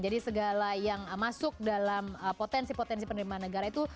jadi segala yang masuk dalam potensi potensi penerimaan negara itu